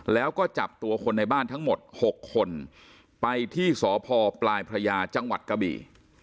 แล้วก็จับตัวคนในบ้านทั้งหมด๖คนไปที่สพปลายพระยาจังหวัดกะบี่